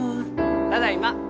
ただいま！